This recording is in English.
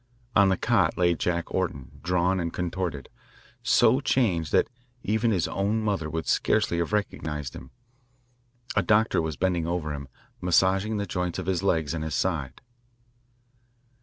On the cot lay Jack Orton, drawn and contorted, so changed that even his own mother would scarcely have recognised him. A doctor was bending over him, massaging the joints of his legs and his side.